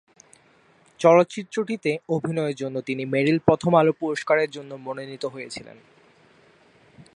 চলচ্চিত্রটিতে অভিনয়ের জন্য তিনি মেরিল-প্রথম আলো পুরস্কারের জন্য মনোনীত হয়েছিলেন।